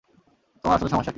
তোমার আসলে সমস্যা কী?